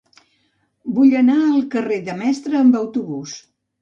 Vull anar al carrer de Demestre amb autobús.